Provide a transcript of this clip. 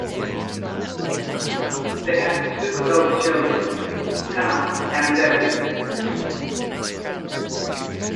They have two adult children, Anna and David.